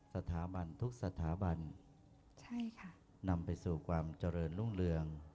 สถาบันทุกสถาบันใช่ค่ะนำไปสู่ความเจริญรุ่งเรือง